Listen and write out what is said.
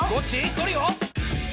トリオ？